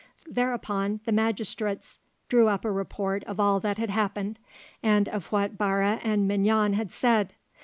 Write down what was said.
Thereupon the magistrates drew up a report of all that had happened, and of what Barre and Mignon had said.